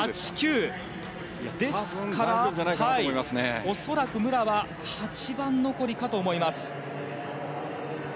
ですから、恐らく武良は８番残りかと思います。